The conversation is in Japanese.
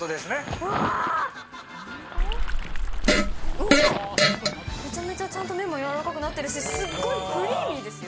うわっ、めちゃめちゃ麺も軟らかくなってるし、すごいクリーミーですよ。